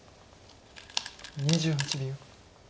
２８秒。